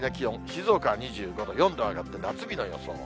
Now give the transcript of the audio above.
静岡は２４度、４度上がって夏日の予想。